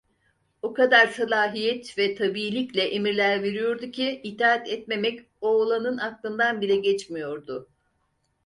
O kadar salahiyet ve tabiilikle emirler veriyordu ki, itaat etmemek oğlanın aklından bile geçmiyordu.